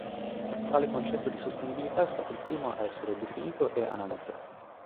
Tale concetto di sostenibilità è stato il primo a essere definito e analizzato.